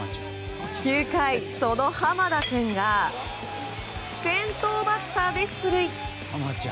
９回、その濱田君が先頭バッターで出塁。